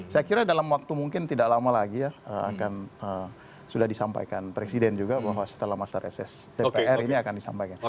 saya kira dalam waktu mungkin tidak lama lagi ya akan sudah disampaikan presiden juga bahwa setelah masa reses dpr ini akan disampaikan